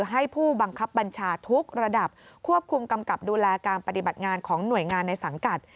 ให้ผู้บังคับบัญชาทุกระดับควบคุมกำกับดูแลการปฏิบัติงานของหน่วยงานในสังกัด